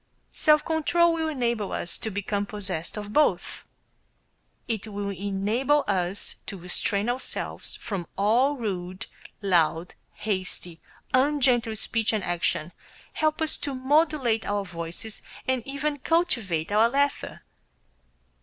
Self control will enable us to become possessed of both. It will enable us to restrain ourselves from all rude, loud, hasty, ungentle speech and action, help us to modulate our voices, and even cultivate our laughter.